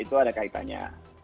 itu ada kaitannya